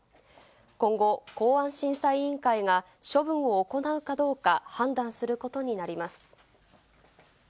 今後、公安審査委員会が処分を行うかどうか判断することになります。